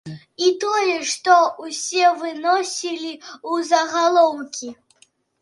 І тое, што ўсе выносілі ў загалоўкі.